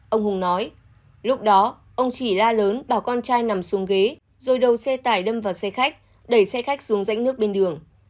ông hùng nói lúc đó ông chỉ la lớn bảo con trai nằm xuống ghế rồi đầu xe tải đâm vào xe khách đẩy xe khách xuống rãnh nước bên đường